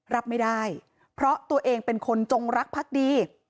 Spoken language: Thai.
รับไม่ได้เพราะตัวเองเป็นคนจงรักพักดี